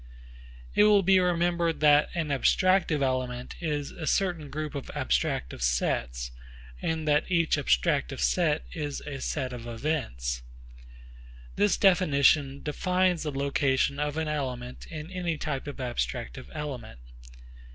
It will be remembered that an abstractive element is a certain group of abstractive sets, and that each abstractive set is a set of events. This definition defines the location of an element in any type of abstractive element.